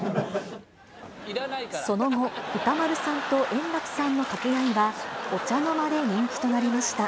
その後、歌丸さんと円楽さんの掛け合いは、お茶の間で人気となりました。